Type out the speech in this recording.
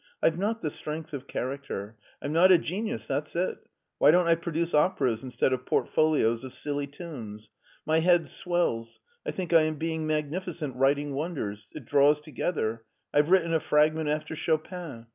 I've not the strength of character. I'm not a genius, that's it Why don't I produce operas instead of portfolios of silly tunes? My head swells. I think I am being magnificent, writing wonders ! It draws together, I've written a fragment after Chopin!